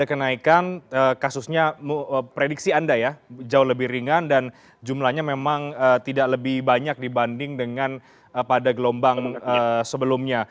ada kenaikan kasusnya prediksi anda ya jauh lebih ringan dan jumlahnya memang tidak lebih banyak dibanding dengan pada gelombang sebelumnya